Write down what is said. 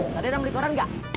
tadi ada yang beli koran enggak